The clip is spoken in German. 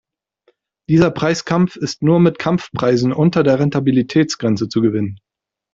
Dieser Preiskampf ist nur mit Kampfpreisen unter der Rentabilitätsgrenze zu gewinnen.